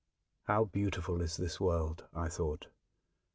" How beautiful is this world !" I thought.